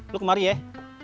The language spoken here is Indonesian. lo kemari yeh